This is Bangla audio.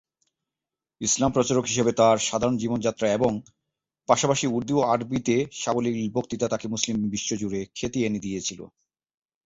ইসলাম প্রচারক হিসেবে তার সাধারণ জীবনযাত্রা এবং পাশাপাশি উর্দু ও আরবিতে সাবলীল বক্তৃতা তাকে মুসলিম বিশ্বজুড়ে খ্যাতি এনে দিয়েছে।